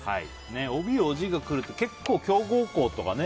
ＯＢ、ＯＧが来るって結構、強豪校とかね。